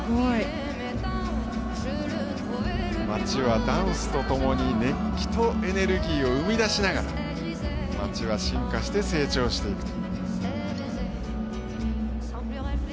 街はダンスとともに熱気とエネルギーを生み出しながら街は進化して、成長していくと。